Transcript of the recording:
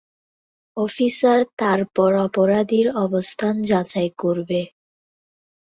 Officer তারপর অপরাধীর অবস্থান যাচাই করবে।